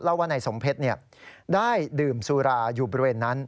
เล่าว่าในสมเพชรนี่ได้ดื่มซูลาอยู่บริเวณนั้น